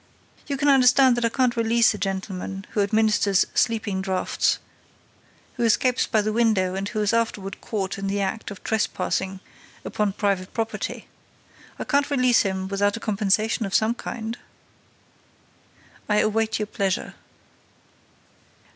You can understand that I can't release a gentleman who administers sleeping draughts, who escapes by the window and who is afterward caught in the act of trespassing upon private property. I can't release him without a compensation of some kind." "I await your pleasure."